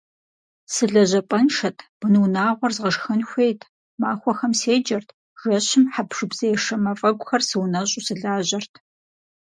Сылэжьапӏэншэт, бынунагъуэр згъашхэн хуейт, махуэхэм седжэрт, жэщым хьэпшыпзешэ мафӏэгухэр сыунэщӏу сылажьэрт.